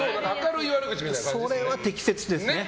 それは適切ですね。